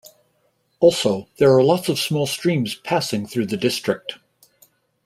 Also, there are lots of small streams passing through the district.